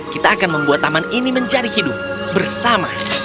kita akan membuat taman ini menjadi hidup bersama